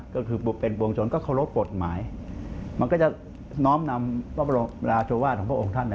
ก็คือเป็นปวงชนก็เคารพกฎหมายมันก็จะน้อมนำพระบรมราชวาสของพระองค์ท่าน